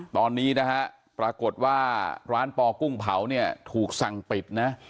ตอนนี้ปรากฏว่าร้านปกุ้งเผาถูกสั่งปิด